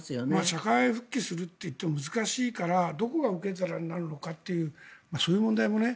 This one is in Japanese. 社会復帰するといっても難しいからどこが受け皿になるのかというそういう問題もね。